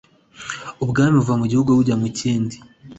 Ubwami buva mu gihugu bujya mu kindi,